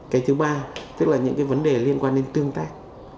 cái thứ ba tức là những cái vấn đề liên quan đến tương tác